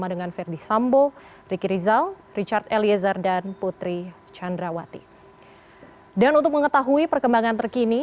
dan untuk mengetahui perkembangan terkini